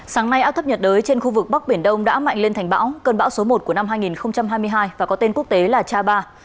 sáng nay áp thấp nhiệt đới trên khu vực bắc biển đông đã mạnh lên thành bão cơn bão số một của năm hai nghìn hai mươi hai và có tên quốc tế là cha ba